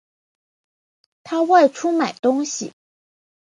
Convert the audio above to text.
他外出买东西